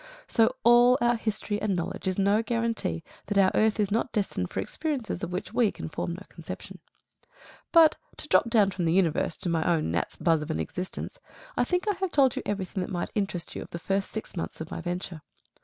So all our history and knowledge is no guarantee that our earth is not destined for experiences of which we can form no conception. But to drop down from the universe to my own gnat's buzz of an existence, I think I have told you everything that might interest you of the first six months of my venture.